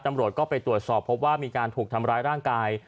ตำรวจก็ไปตรวจสอบพบว่ามีการถูกทำร้ายร่างกาย